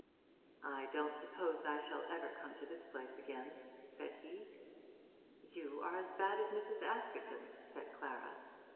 "I don't suppose I shall ever come to this place again," said he. "You are as bad as Mrs. Askerton," said Clara.